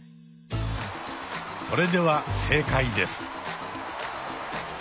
それでは正解です。